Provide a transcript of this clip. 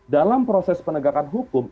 dalam proses penegakan hukum